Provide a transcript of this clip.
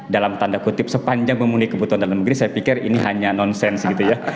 dalam tanda kutip sepanjang memenuhi kebutuhan dalam negeri saya pikir ini hanya non sense gitu ya